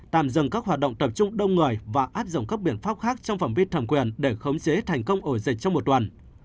tạm dừng các hoạt động tập trung đông người và áp dụng các biện pháp khác trong phạm vi thẩm quyền để khống chế thành công ổ dịch trong một tuần